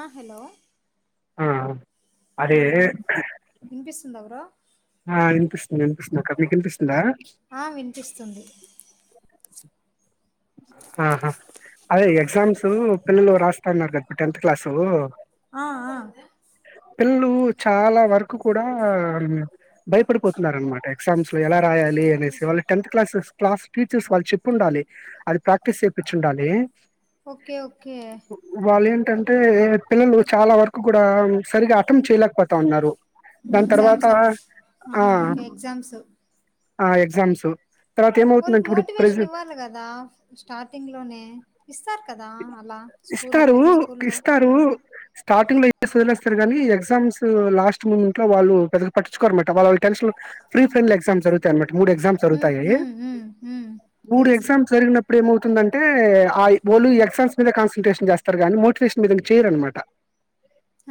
ఆ హలో ఆ అదే హ్మ్. విన్ వినిపిస్తుందా బ్రో? ఆ వినిపిస్తుంది వినిపిస్తుంది అక్క మీకు వినిపిస్ ఆ వినిపిస్తుంది ఆహా అదే ఎగ్జామ్స్ పిల్లలు రాస్తాన్నారు కదా టెన్త్ క్లాసు ఆ ఆ పిల్లలు చాలా వరకు కూడా భయపడిపోతున్నారు అనమాట ఎగ్జామ్స్ లో ఎలా రాయాలి అనేసి వాళ్ళ టెన్త్ క్లాస్ క్లాస్ టీచర్స్ వాళ్ళు చెప్పి ఉండాలి అది ప్రాక్టీస్ చేపిచ్చి ఉండాలి ఓకే ఓకే ఏంటంటే పిల్లలు చాలా వరకు కూడా సరిగా అటెంప్ట్ చేయలేకపోతా ఉన్నారు దాని తర్వాత ఎగ్జామ్స్ ఆ ఆహా కే ఎగ్జామ్స్ ఆ ఎగ్జామ్సు వాళ్ళకి మోటివేషన్ ఇవ్వాలి కదా స్టార్టింగ్ లోనే ఇస్తారు కదా అలా స్కూల్లో ఇస్తారు ప్రతి స్కూల్లో ఇస్తారు స్టార్టింగ్ లో ఏ వదిలేస్తారు కానీ ఎగ్మ్స్ట్ మూమెంట్ వాళ్ళు పెద్దగా పట్టిుకో అన్నమాట వాళ్ళ టన్ ఫీ ఫైల్ ఎగ్జామ్ జరుగుతాయనమాట మూడు ఎగ్జామ్స్ హ్మ్. జరుగుతాయి హ్మ్. హ్మ్. హ్మ్. మూడు తెలుసు. ఎగ్జామ్స్ జరిగినప్ ఇప్పుడు ఏమవుతుందంటే ఆ ఈ ఓన్లీ ఎగ్జామ్స్ మీద కాన్సన్ట్రేషన్ చేస్తారు గానీ మోటివేషన్ మీద చేయరనమాట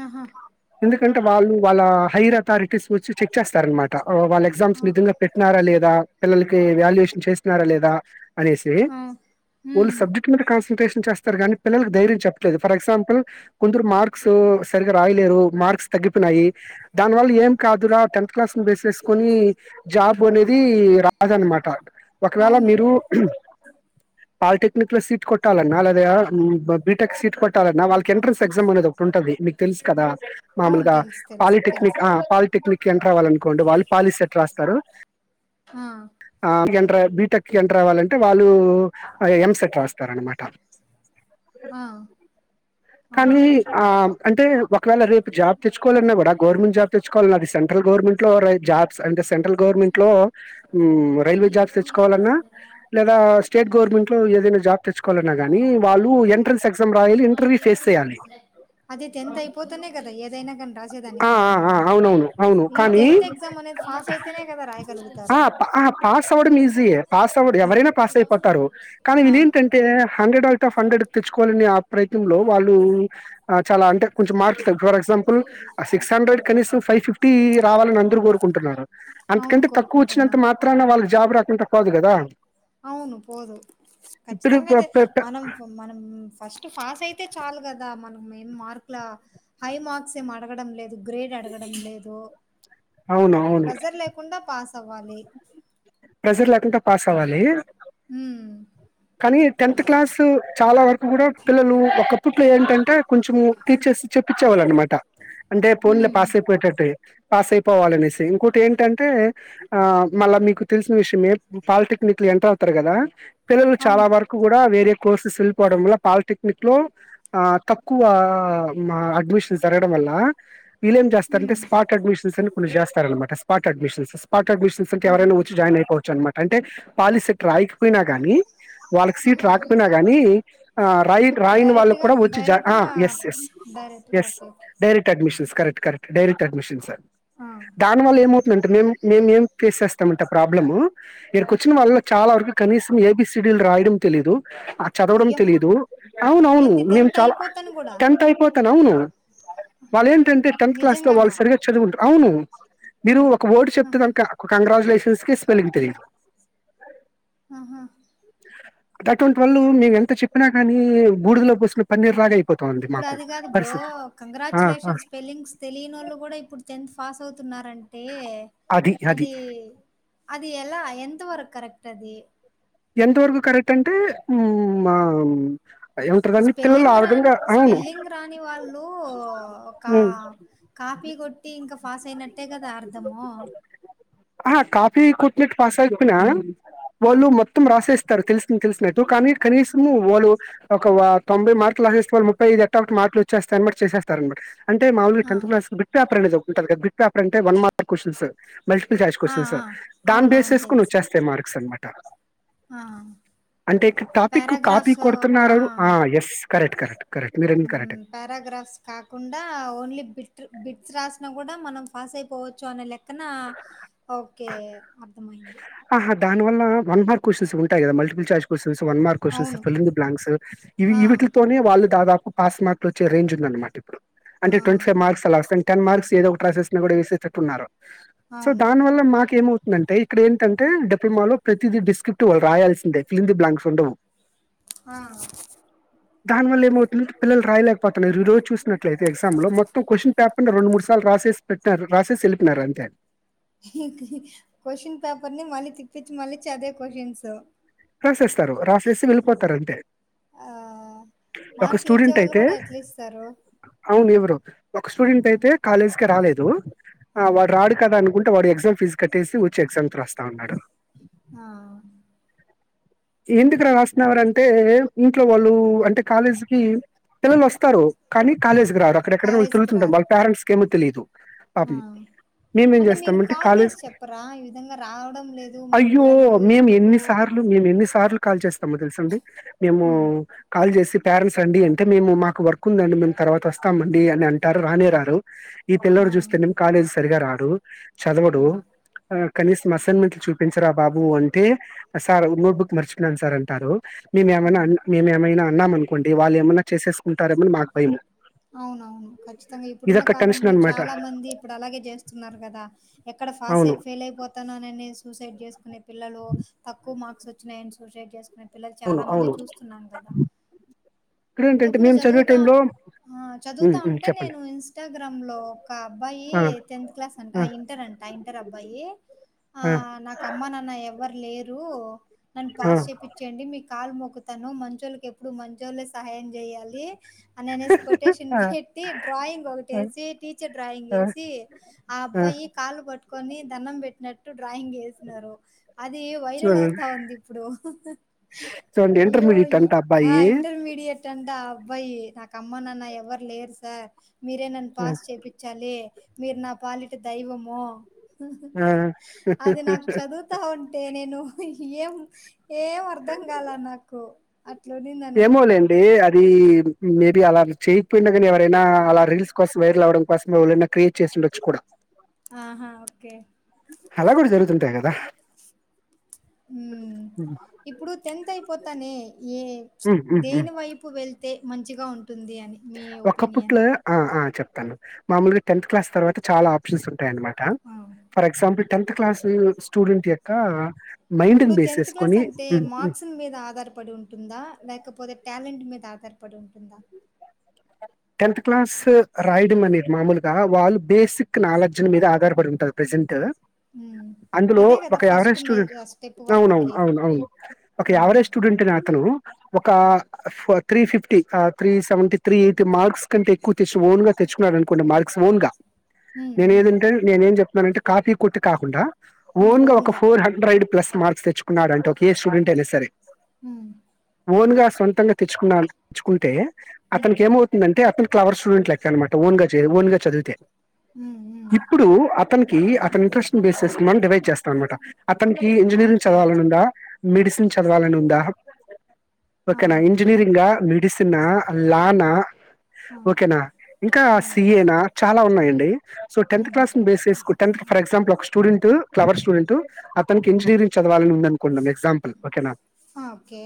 ఆహా! ఎందుకంటే వాళ్ళు వాళ్ళ హైయర్ అథారిటీస్ వచ్చి చెక్ చేస్తారనమాట వాళ్ళ ఎగ్జామ్స్ ఆ! నిజంగా పెట్టినారా లేదా పిల్లలకి వాల్యుయేషన్ చేసన్నారా లేదా అనేసి ఆ! ఓన్లీ హ్మ్. సబ్జెక్ట్ మీ కాన్స కాన్సన్ట్రేషన్ చేస్తారు కానీ పిల్లలకు ధైర్యం చెప్పట్లేదు ఫర్ ఎగ్జాంపుల్ కొందరు మార్క్స్ సరిగ్గా రాయలేరు మార్క్స్ తగ్గిపోనాయి దాని వల్ల ఏం కాదురా టెన్త్ క్లాస్ ను బేస్ చేసుకొని జాబ్ అనేది రాదు అనమాట ఒకవేళ అవును. మీరు పాలిటెక్నిక్ లో సీట్ కొ పెట్టాలన్నా లేద బీటెక్ సీట్ కొట్టాలన్నా వాళ్ళకి ఎంట్రెన్స్ ఎగ్జామ్ అనేది ఒకటి ఉంటుంది మీకు తెలుసు కదా అవును. మామూలుగా తెలుసు. తెలుసు. పాలిటెక్నిక్ తెలుసు. ఆ పాలిటెక్నిక్ ఎంటర్ అవ్వాలి అనుకోండి వాళ్ళు పాలీసెట్ రాస్తారు ఆ బీటెక్ కి ఎంటర్ అవ్వాలంటే వాళ్ళు ఎంసెట్ రాస్తారు అన్నమాట ట ఆ! కానీ అవును. ఆ అంటే ఒకవేళ రేపు జాబ్ తెచ్చుకోవాలన్నా కూడా గవర్నమెంట్ జాబ్ తెచ్చకోవాలన్నా అది సె సెంట్రల్ గవర్మెంట్ లో జాబ్స్ అం సెంట్రల్ గవర్మెంట్ లో ఉ రైల్వే జాబ్ తెచ్చుకోవాలన్నా లేదా స్టేట్ గవర్నమెంట్ లో ఏదైనా జాబ్ తెచ్చుకో అయినా గానీ వాళ్ళు ఎంట్రన్స్ ఎగ్జామ్ రాయాలి ఇంటర్వ్యూ ఫేస్ చేయాలి అది టెన్త్ అయిపోతేనే కదా ఏదైనా కానీ అ రాసేదానికి ఆ మనము అ అవును అవును అవును ఈ కానీ టెన్త్ ఎగ్జామ్ అనేది పాస్ అయితేనే కదా హ రాయగలుగుతారు పాస్ పాస్ అవ్వడం ఈజీ ఏ ఆ ఎవరు అయిన పాస్ అయిపోతారు కానీ ఆ ఇది ఏంటి అం ఏ హండ్రెడ్ అవుట్ ఆఫ్ హండ్రెడ్ తెచ్చుకోవాలని ప్రయత్నంలో వాళ్ళు ఆ చాలా అంటే కొంచం మార్క్స్ త ఫర్ ఎక్సంపుల్ ఆ సిక్స్ హండ్రెడ్ కనీసం ఫైవ్ ఫిఫ్టీ రావాలని అందరు కోరుకుంటున్నారు అవును అంతకంటే తక్కువ వచ్చినంత కోరుకుంటున్నారు మాత్రన వాళ్ళకి జాబు రా అంత పోదు కదా అవును పోదు ఇప్పుడు ఖచ్చితంగా ప్ర- అయితే ప్ర- ప్ర- మనం మనం ఫస్ట్ ఫాస్ అయితే చాలు కద మనం ఏం మార్కుల హై మార్క్స్ ఏం అడగడం లేదు గ్రేడ్ అడగడం లేదు అవును అవును ప్రెజర్ లేకుండా పాస్ అవ్వాలి ప్రెజర్ లేకుండా పాస్ అవ్వాలి ఉమ్ కానీ టెన్త్ క్లాసు చాలా వరకు కూడా పిల్లలు ఒకప్పట్లో ఏంటంటే కొంచెము టీచర్స్ చెప్పించేవాళ్ళ అనమాట అంటే పోనీ లే ఉమ్ పాస్ అయిపోయేటట్టు పాస్ అయిపోవాలనేసి ఇంకోటి ఏంటంటే ఆ మళ్ళా మీకు తెలిసిన విషయమే పాలిటెక్నిక్ లో ఎంటర్ అవుతారు కదా పిల్లలు చాలా అవును వరకు కూడా వేరే కోర్సెస్ వెళ్ళిపోవడంలో పాలిటెక్నిక్ లో ఆ తక్కువ అడ్మిషన్ జరగడం వల్ల వీళ్లేం చేస్తారంటే ఉమ్ స్పాట్ అడ్మిషన్ని ఇపుడు చేస్తారన్నమాట స్పాట్ అడ్మిషన్స్స్ స్పాట్ అడ్మిషన్స్ అంటే ఆహా ఎవరైనా వచ్చి జాయిన్ అయిపోవచ్చు అనమాట అంటే పాలి సెక్టర్ రాయికపోయినా గాని వాళ్ళకి సీట్ ఆహా ఓకే రాకపోయినా గాని రాయి రాయన్ వాళ్ళకు డైరెక్ట్గా కూడా వచ్చి జ అ డైరెక్ట్గా ఎస్ ఎస్ డైరెక్ట్గా yes okay okay direct admissions correct కరక్టే డైరెక్ట్ అడ్మిషన్సే ఆ దానివల్ల ఏమౌ అంటే మేం మేము ఏం ఫేస్ చేస్తాం ప్రాబ్లము ఈడకు వచ్చిన వాళ్ళ చాలా వరకు కనీసం ఏబీ సిడిలు రాయడం తెలీదు ఆ చదవడం అయ్యమ్మ తెలీదు అవున అవును ఏంది నేను టెన్త్ చాలా అయిపోతాను కూడా టెన్త్ అయిపోతానే అవును వాళ్ళ ఏం అంటె టెన్త్ క్లాస్ లో నిజంగానా వాళ్ళు సరిగా చదువుడరు అవును మీరు వర్డ్ చెప్తే ఆహా దానికి ఒక కంగ్రాట్యులేషన్ కే స్పెల్లింగ్ తెలీదు ఆహా అటువంటి వాళ్ళు మేము ఎంత చెప్పినా కాని బూడిదలో పోసిన పన్నీర్ లాగా అయిపోతుంది ఇప్పుడు మాకు అది కాదు బ్రో పరిస్థితి ఆ ఆ కంగ్రాచ్యులేషన్స్ స్పెల్లింగ్స్ తెలినోళ్ళు గూడా ఇప్పుడు టెన్త్ పాస్ అవుతున్నన్నారంటే టే అది అది ఎలా ఎం ఎంత వరకు కరెక్ట్ అది ఎంతవరకు కరెక్ట్ అంటే హ్మ్ మ్మ్ స్పెల్లింగ్ రాని అవును స్పెల్లింగ్ రాని వాళ్ళు ఒకా హ్మ్. కాపీ కొట్టి ఇంక పాస్ అయినట్టే గదా అర్థము అహ కాపీ కొట్టినట్టు పాస్ అయకపోయినా ఆ, వాళ్ళు మొత్తం రాసేస్ తరు తెలిసిన్ తెలిసినట్టు కానీ కనీసము వాళ్ళు ఒక ఆ తొంభై మార్కులు రాసేస్తే వాళ్ళు ముప్పై ఐదు మార్కులు ఎట్టా ఒకటి మార్కులు వచ్చేస్తాయి అన్నమాట చేసేస్తారు అన్నమాట అంటే మాములు గా టెన్త్ ఆ. క్లాస్ కి బట్ పేపర్ అనెది ఒ ఉంటది కద్ బిట్ ట్ పేపర్ అంటే one mark questions multiple choice ఆ క్యూషన్స్ ఆ దాన్ని బేస్ అవునవును చేసుకుని, తెలుసు వచ్చేస్తే మార్క్స్ అన్ మాట ఆ అంటే ఇక్ టాపిక్ కాపీ పారాగ్రాఫ్స్ కొడుతున్నారు ఆ ఎస్. కరెక్ట్ కరెక్ట్ కరెక్ట్ మీరన్నది కరెక్ట్ హమ్ పారాగ్రాఫ్స్ కాకుండా ఓన్లీ బిట్ బిట్స్ రాసిన గూడా మనం పాస్ అయిపోవచ్చు అనే లెక్కన ఓకే అర్థమయింది ఆహా దాని వల్ల వన్ మార్ క్యూషన్స్ ఉంటాయి కదా, multiple choice questions one mark questions, అవును ఫిల్ ఇంద బ్లాంక్స్, ఈ ఆ ఇవిట్లీ తోనే వాళ్ళు. దాదాపు పాస్ మార్కులు వచ్చే ఉంది అన్ మాట్ అంటే ఆ ట్వంటీ ఫైవ్ మార్క్స్ అలా అసైన్ టెన్ మార్క్స్ ఏదో ఒకట్ ట్రాసేసిన కూడా ఏసేటట్ ఉన్నారు సో అవును దాని వల్ల మాకేమో నంటే ఇక్కడ్ ఏన్ తంటే డిప్లొమాలో ప్రతిదీ డిస్క్రిప్ట్ వాళ్ళు రాయాల్సిందే ఫిలిఇన్ ద బ్లాక్స్ ఉండవ్. ఆ దాని వల్ల ఏమవుతు దాంటే పిల్లలు రాయలేకపోతున్నారు, ఈ రోజు చూసినట్లయితే, ఎగ్జాంలో మొత్తం క్వశ్చన్ పేపర్ న్ రెండు మూడ్ సార్లు రాసేసి పెట్టినారు రాసేసి ఎలిపినారు అంతే. క్వశ్చన్ పేపర్ ని మళ్ళీ తిప్పించి మళ్ళీ చ అదే క్వశ్చన్స్ రాసేస్తారు రాసేసి వెళ్ళిపోతారు టే ఆ మార్కులు ఇచ్చేవాళ్ళు గూడా అయితే ఎట్లిస్తారు అవును ఎవరు ఒక ఆ స్టూడెంట్ అయితే కాలేజ్ కె రాలేద్ దు ఆ వాడురాడు కదా అనుకు వాడు ఎగ్జామ్ ఫీజ కట్టేసి వచ్చి ఎగ్జామ్స్ రాస్తా ఉన్నాడు ఆ ఎందుకు రా రాస్తునవారంటే ఇంట్లో వాళ్ళు అంటే కాలేజీకిి పిల్లలు వస్తరు కానీ కాలేజ్ అక్కడెక్కడో కాలేజ్కి తిరుగుతుంటరు రారు వల్ల పేరెట్స్ తెలీదు ఆ అంటే మీరు చేస్తామంటే కాల్ కాలేజ్ చేసి చెప్పరా ఈ విధంగా రావడం లేదు మీ అయ్యో! పిల్లలు మేము ఎందుకు ఎన్ని అన్ సార్లు అని మేము ఎన్ని సార్లు కాల్ చేస్తాము తెలుసండి మేము ఉమ్ కాల్ చేసి పేరెంట్స్ అండి అంటే మేము మాకు వర్క్ ఉందండి మేము తర్వాత వస్తామ అండి అని అంటారు రానే రారు ఈ ఆ పిల్లోడు చూస్తేనేమో కాలేజ్ సరిగా రాడు చదవడు ఆ కనీసం మసన్మెట్లు చూపించరా బాబు అంటే సార్ ఇంకో బుక్ మర్చిపోయిన సార్ అంటారు మేమేమైనా ఉమ్, మేమేమైనా అన్నామ అనుకోండి వాళ్ళు ఏమన్నా చేసేసుకుంటార ఏమో అని మాకు భయం అవునవును ఖచ్చితంగా ఇప్పుడున్న టెన్షన్ కాలంలో అన్నమాట. చాలా మంది ఇప్పుడు అలాగే చేస్తున్నారు కద ఎక్కడ ఫాస్ట్ అవును. అయి ఫెయిల్ అయిపోతాను అనే సూసైడ్ చేసుకునే పిల్లలు తక్కువ మార్క్స్ వచ్చినాయని సూసైడ్ చేకు నేను పిల్లలు అవును. చాలా మంది అవును. చూస్తున్నాను కదా ఇక్కడేంటంటే ఎప్పుడు మేము చదివే చదువుతా టైంలో హ్మ్. చదువుతా హ్మ్. ఉంటే చెప్పండి. నేను ఇన్స్టాగ్రామ్ లో ఒక అబ్బాయి ఆ! టెన్త్ క్లాస్ అంట ఆ! ఇంటర్ అంట ఇంటర్ అబ్బాయి ఆ నాకు అమ్మ నాన్న ఎవ్వరు లేరు నన్ను ఆ! పాస్ చేపిన్చండి మీకు కాల్ మొక్కుతను మంచొళ్ళకి ఎప్పుడు మంచొలే సహాయం చేయాలి అని అనేసి కొటేషన్ ఆ పెట్టి డ్రాయింగ్ ఆ ఒకటేసి టీచర్ డ్రాయింగ్ ఆ వేసి ఆ అబ్బాయి కాళ్లు పట్టుకొని దండం పెట్టినట్టు డ్రాయింగ్ వేసినారు అది వైరల్ చూడండి అవుతా ఉంది ఇప్పుడు చూడండి అయ్యో ఇంటర్మీడియట్ అంట అబ్బాయి ఇంటర్మీడి కేటంట, ఆ అబ్బాయి నాకు అమ్మ నాన్న ఎవ్వరు లేరు సార్ మీరే నన్ను ఆ పాస్ చేపిచ్చాలి మీరు నా పాలిట దైవము ఆ. అది నాకు చదువుతా ఉంటే, నేను ఎం ఏం అర్థం కాల, నాకు అట్ల ఉన్నింది అన్ మాట డి అది మేబి అలా చేయకపోయినా కానీ ఎవరైనా అలా రీల్స్ కోసం వైరల్ అవ్వడం కోసం ఎవరైనా క్రియేట్ చేసి ఉండొచ్చు కూడ ఆహా ఒకే దా హ్మ్ ఇప్పుడు టెన్త్ అయిపోతానే ఏ ఉమ్, ఉమ్, ఉమ్. దేని వైపు వెళ్ తే మంచిగా ఉ టుంది అని మీ ఒపీనియన్ ఒకప్పట్లో ఆ ఆ చెప్తాను మామూలుగా టెన్త్ క్లాస్ తర్వాత చాలా ఆప్షన్స్ టాయ్ అనమాట ఆ! For example tenth class student యొక్క ఇప్పుడు మైండ్ని బేస్ టెన్త్ క్లాస్ చేసుకొని అంటే మార్క్స్ మీద ఆధారపడి ఉంటుందా లేకపోతే టాలెంట్ మీద ఆ దర్పడి ఉంటుందా టెన్త్ క్లాస్ రాయడమనేది మామూలు టీ వాళ్ళు బేసిక్ నాలెడ్జ్ల మీద ఆధారపడి ఉంటది ప్రజెంట్ ఉమ్ అందులో ఇదే కదా ఒక ఫస్ట్ యావరేజ్ మే స్టూడెంట్ స్టెప్ అవునవును వాళ్ళకి అవును అవును ఒక ఉమ్ యావరేజ్ స్టూడెంట్ అనే అతను ఒక ఫ three fifty, three seventy three అంటే మార్క్స్ కంటే ఎక్కువ తెచ్ ఓన్గా తెచ్చుకున్నాడు అనుకోండి. మార్క్స్ ఓన్గా ఉమ్ ఉమ్ నేనేదంటే నేనేం చెప్ మరంటే కాపీ కొట్టి కాకుండా ఉమ్ ఓన్ గా ఒక ఓన్గా ఫోర్ హండ్రెడ్ ప్లస్ మార్క్స్ తెచ్చుకున్నాడంట ఒకే స్టూడెంట్ అయినా సరే హ్మ్ ఓన్‌గా సొంతంగా తెచ్చుకున్నా తెచ్చుకుంటే ఉమ్ అతనికి ఏమవ్ అంటే అతను క్లవర్ స్టూడెంట్ లెక్క అన్నమాట ఓన్ గా చెయ్ ఓన్ గా చదివితే ఉమ్ ఉమ్ ఇప్పుడు అతనికి అతని ఇంట్రెస్ట్ని బేస్ చేసుకుని మనం డివైడ్ చేస్తా అన్నమాట అతనికి ఇంజనీరింగ్ ఓకే చదవాలనుందా మెడిసిన్ చదవాలని ఉందా ఆ ఓకేనా ఇంజినీరింగా మె విసిన లా నా ఆ ఓకేనా ఇంకా ఆ సి ఏ నా చాలా ఉన్నాయం సో టెన్త్ ఉమ్ క్లాస్ ను బేస్ చేసుకో టెన్త్ కి ఫర్ ఎగ్జాంపుల్ ఒక స్టూడెం ట్ క్లవర్ స్టూడెంట్ అతనికి ఇంజనీరింగ్ చదవాలని ఉంద అనుకుందాం ఎ గ్జాంపుల్ ఓకేనా ఆ ఓకే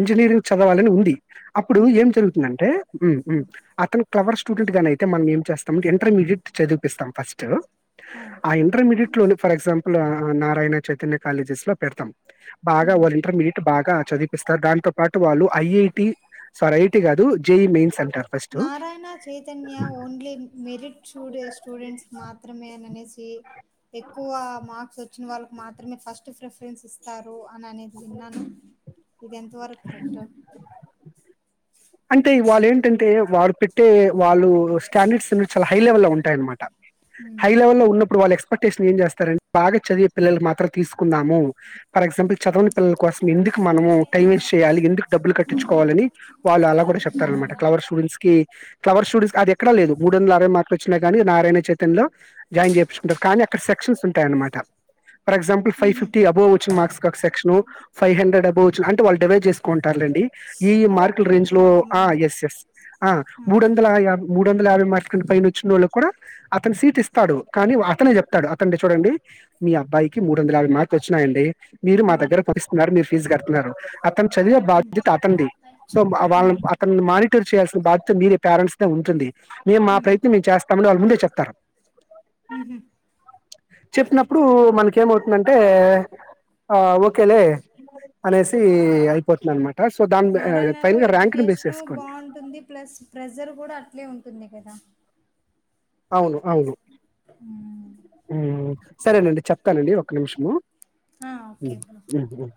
ఇంజనీరింగ్ చదవాలని ఉంది అప్పుడు ఉంది ఏం జరుగుతుందంటే ఉఉ ఆ అతను క్లవర్ స్టూడెంట్ గానీ అయితే మనం ఏం చేస్తాం ఇంటర్ మీడియట్ చదివిపిస్తాం ఫస్ట్ ఆ ఇంటర్మీడియట్ ట్లోని ఫర్ ఎగ్జాపుల్ ఆహా నారాయణ చైతన్య కాలేజెస్ లో పెడతాం బాగా ఉమ్ వాళ్ ఇంటర్మీడియేట్ బాగా చదిపిస్తారు దాంతో పాటు వాళ్ళు ఐఐటి స్వారీ ఐఐటి కాదు JEE mains Narayana Chaitanya only merit చూడే స్టూడెంట్స్ మాత్రమే అనేసి ఏ ఎక్కువ మార్క్స్ వ వచ్చిన వాళ్ళకి మాత్రమే ఫస్ట్ ప్రిఫరెన్స్ ఇస్తారు అవునా నీది విన్నాను ఇది ఎంత వరకు కరెక్టో అంటే వాళ్ళు ఏంటంటే వారు పెట్టే వాళ్ళు స్టాండర్డ్స్ అనే చాలా హై లెవెల్ లో ఉంటాయనమాట హై ఉమ్ లెవెల్ లో ఉన్నప్పుడు వాళ్ళెక్స్ అప్పటేసి ఏం చేస్తారం బాగా చదివే పిల్లలు మాత్రం తీసుకుందాము ఫర్ ఎగ్జామ్ పుల్ ఓకే చదవని పిల్లల కోసం ఎందుకు మనం టైమ్ వేస్ట్ చేయాలి, ఎందుకు డబ్బులు కట్టిచ్చుకోవాలని వాళ్ళు అలా కూడా చెప్తారన్నమాట క్లవర్ స్టూడెంట్స్ కి క్లవర్ స్టూడెంట్స్ అది ఎక్కడా లేదు మూడు వందల అరవై మార్కులు వచ్చినా కానీ నారాయణ చైతన్లో జాయిన్ చేయిచ్చుకుంటారు కానీ అక్కడ సెక్షన్స్ ఉంటాయనమాట ఫర్ ఎగ్జామ్పుల్ ఫైవ్ ఉహు ఫిఫ్టీ అబవ్ వచ్చిన మార్క్స్ ఒక సక్షన్ ఫైవ్ హండ్రెడ్ అబవచ్చిన అంటే వాళ్ళు డివైడ్ చేసుకుంటారు లెండి ఈ మార్ ఓకే రేంజ్ ఓకే లో ఆ అర్థమైంది ఎస్ ఎస్ ఆ మూడు వందల యాభై మూడు వందల యాభై మార్క్స్ కంటే పైన వచ్చిన వాళ్ళకి కూడా అతను సీట్ ఇస్తాడు కానీ అతనే చెప్తడు అతే చూడండి మీ అబ్బాయికి మూడు వందల యాభై మార్క్లు వచ్చినాయండి మీరు మా ఉమ్ దగ్గర పంపిస్తున్నారు మీరు ఫీజ్ కడుతున్నారు అతన్ చదివే ఉమ్ బాద్యత అతనిది వాళ్ళని ఉమ్ అతను మానిటర్ చేయాల్సిన బాధ్యత మీదే పేరెంట్స్ ఉంటుంది మేము మా ఉమ్ ప్రయత్నం మేము చేస్తామండి వాళ్ళు ముందే చెప్తారు ఉహు చెప్పినప్పుడు మనకేమవుతుందం అంటే ఆ ఓ కేలే అనేసి అయిపోతున్నా అనమాట సో దాన్ ఆ ఆ లో ఎడ్యుకేషన్ బాగుంటుంది ప్లస్ ప్రెజర్ కూడా అట్లే ఉంటుంది కదా అవును అవును ఉమ్ ఉ సరేనండి చెప్తానండి ఒక నిమిషము ఆ ఉ ఓకే బ్రో ఉ